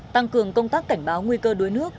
tăng cường công tác cảnh báo nguy cơ đuối nước